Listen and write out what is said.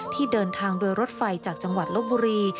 ที่เดินทางโดยรถไฟจากจังหวัดลบบุรี